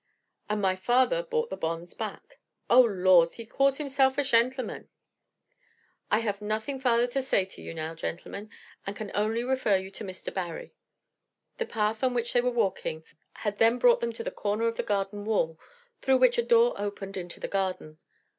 "And my father bought the bonds back." "Oh laws! And he calls himself a shentleman!" "I have nothing farther to say to you now, gentlemen, and can only refer you to Mr. Barry." The path on which they were walking had then brought them to the corner of a garden wall, through which a door opened into the garden.